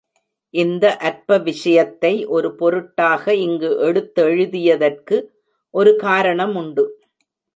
இந்த அற்ப விஷயத்தை ஒரு பொருட்டாக இங்கு எடுத்தெழுதியதற்கு ஒரு காரணமுண்டு.